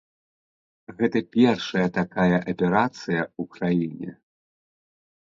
Гэта першая такая аперацыя ў краіне.